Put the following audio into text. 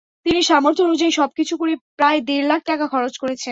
তিনি সামর্থ্য অনুযায়ী সবকিছু করে প্রায় দেড় লাখ টাকা খরচ করেছেন।